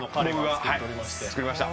作りました。